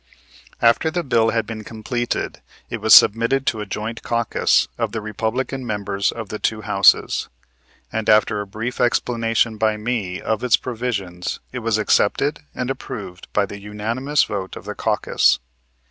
After the bill had been completed, it was submitted to a joint caucus of the Republican members of the two Houses, and after a brief explanation by me of its provisions it was accepted and approved by the unanimous vote of the caucus.